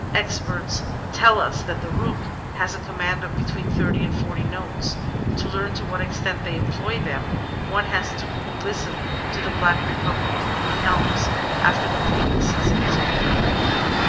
Experts teU us that the Rook has command of be tween thirty and forty notes. To learn to what extent they employ them one has only to listen to ''the black republic in the elms," after the breeding season is over.